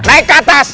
naik ke atas